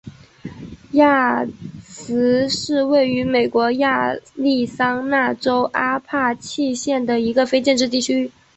亚兹是位于美国亚利桑那州阿帕契县的一个非建制地区。